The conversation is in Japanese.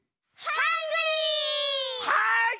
はい！